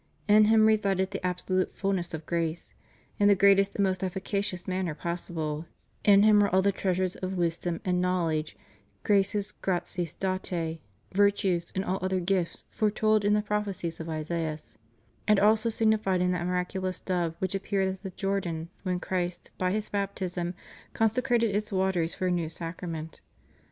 In Him resided the absolute fulness of grace, in the greatest and most efficacious man ner possible; in Him were all the treasures of wisdom and knowledge, graces gratis datce, virtues, and all other gifts foretold in the prophecies of Isaias,^ and also signified in that miraculous dove which appeared at the Jordan, when Christ, by His Baptism, consecrated its waters for a new sacrament.